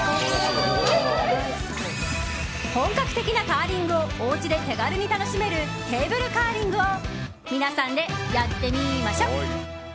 本格的なカーリングをおうちで手軽に楽しめるテーブルカーリングを皆さんでやってみーましょ！